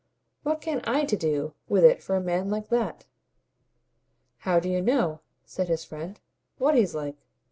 "What have I to do with it for a man like that?" "How do you know," said his friend, "what he's like?